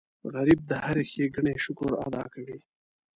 غریب د هرې ښېګڼې شکر ادا کوي